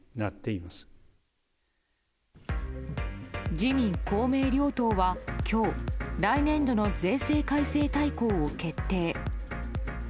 自民・公明両党は今日来年度の税制改正大綱を決定。